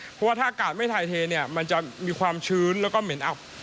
เพราะว่าถ้าอากาศไม่ถ่ายเทเนี่ยมันจะมีความชื้นแล้วก็เหม็นอับ